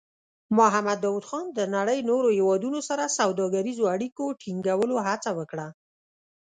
محمد داؤد خان د نړۍ نورو هېوادونو سره سوداګریزو اړیکو ټینګولو هڅه وکړه.